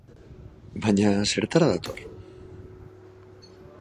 Baina, zertara dator?